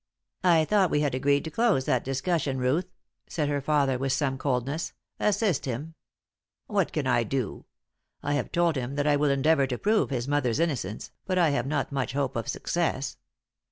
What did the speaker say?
"I thought we had agreed to close that discussion, Ruth?" said her father with some coldness. "Assist him? What can I do? I have told him that I will endeavour to prove his mother's innocence, but I have not much hope of success.